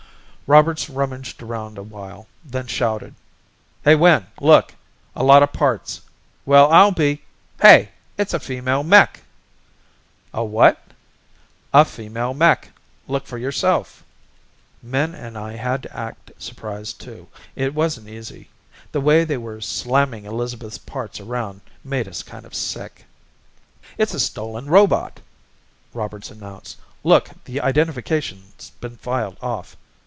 Roberts rummaged around awhile, then shouted: "Hey, Wynn, look! A lot of parts. Well I'll be hey it's a female mech!" "A what?" "A female mech. Look for yourself." Min and I had to act surprised too. It wasn't easy. The way they were slamming Elizabeth's parts around made us kind of sick. "It's a stolen robot!" Roberts announced. "Look, the identification's been filed off.